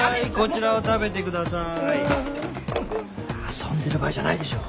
遊んでる場合じゃないでしょ。